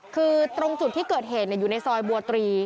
คือตรงจุดที่เกิดเหตุอยู่ในซอยบัวตรี